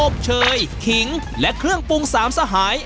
บเชยขิงและเครื่องปรุงสามสหาย